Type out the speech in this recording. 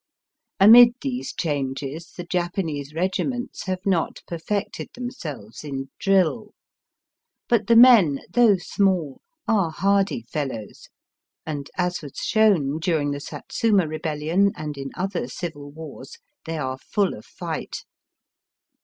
Amid these changes the Japanese regiments have not perfected them selves in drill. But the men, though small, are hardy fellows, and, as was shown during the Satsuma rebellion and in other civil wars, they are full of fight.